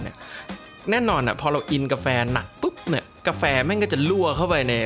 แน่นอนพอเราอินกาแฟหนักปุ๊บเนี่ยกาแฟแม่งก็จะลั่วเข้าไปใน